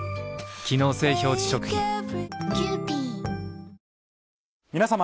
機能性表示食品皆様。